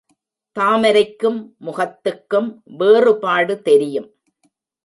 தாமரைக்கும் முகத்துக்கும் வேறுபாடு தெரியும்.